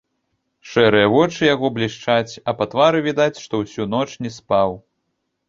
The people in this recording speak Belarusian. Шэрыя вочы яго блішчаць, а па твары відаць, што ўсю ноч не спаў.